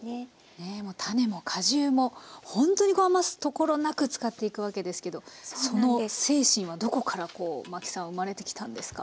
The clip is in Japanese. ねえもう種も果汁もほんとに余すところなく使っていくわけですけどその精神はどこからこう麻紀さん生まれてきたんですか？